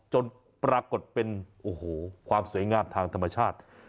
จนปรากฏเป็นโอ้โหความสวยงามทางธรรมชาติ